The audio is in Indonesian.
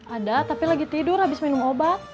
ada tapi lagi tidur habis minum obat